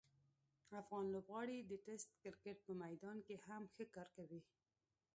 افغان لوبغاړي د ټسټ کرکټ په میدان کې هم ښه کار کوي.